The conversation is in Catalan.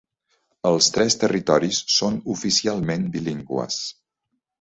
Els tres territoris són oficialment bilingües.